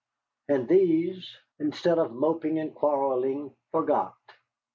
And these, instead of moping and quarrelling, forgot.